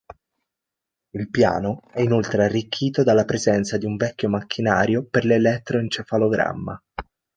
Il piano è inoltre arricchito dalla presenza di un vecchio macchinario per l'elettroencefalogramma.